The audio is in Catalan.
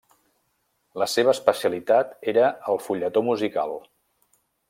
La seva especialitat era el fulletó musical.